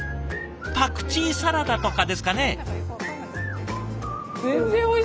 パクチーサラダとかですかね？